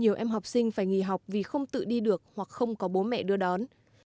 nhiều em học sinh phải nghỉ học vì không tự đi được hoặc không có bố mẹ đưa đón